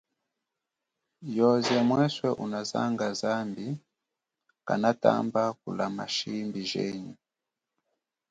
Yoze mweswe unazanga zambi kanatamba kulama shimbi jenyi.